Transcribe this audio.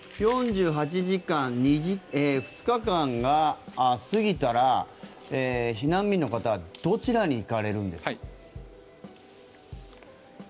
４８時間２日間が過ぎたら避難民の方はどちらに行かれるんですか？